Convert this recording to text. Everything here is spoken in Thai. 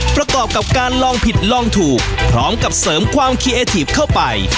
ประกอบกับการลองผิดลองถูกพร้อมกับเสริมความคีเอทีฟเข้าไป